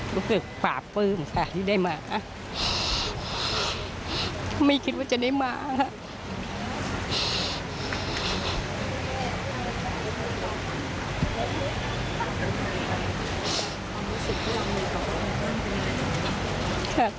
รู้สึกปราบปลื้มค่ะที่ได้มาไม่คิดว่าจะได้มาค่ะ